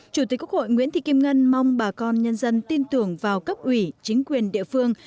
chủ tịch quốc hội nguyễn thị kim ngân mong bà con nhân dân tin tưởng vào cấp ủy chính quyền địa phương